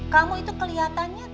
kamu itu keliatannya